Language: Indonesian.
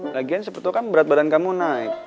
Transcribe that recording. lagian sebetulnya kan berat badan kamu naik